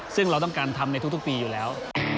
ซึ่งเราต้องการทำในทุกปีอยู่แล้ว